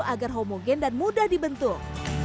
agar homogen dan mudah dibentuk